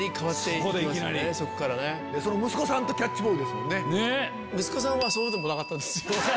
その息子さんとキャッチボールですもんね。